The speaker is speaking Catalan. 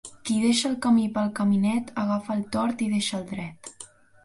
Qui deixa el camí pel caminet, agafa el tort i deixa el dret.